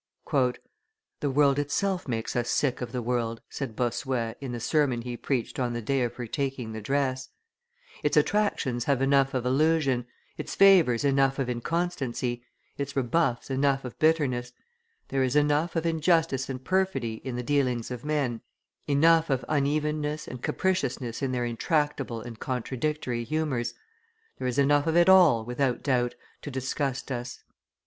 "The world itself makes us sick of the world," said Bossuet in the sermon he preached on the day of her taking the dress; "its attractions have enough of illusion, its favors enough of inconstancy, its rebuffs enough of bitterness, there is enough of injustice and perfidy in the dealings of men, enough of unevenness and capriciousness in their intractable and contradictory humors there is enough of it all, without doubt, to disgust us."